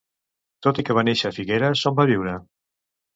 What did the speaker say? Tot i que va néixer a Figueres, on va viure?